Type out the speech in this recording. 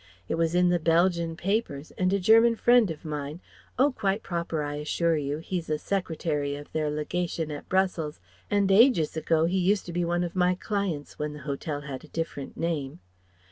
It was in the Belgian papers, and a German friend of mine Oh! quite proper I assure you! He's a Secretary of their legation at Brussels and ages ago he used to be one of my clients when the Hotel had a different name.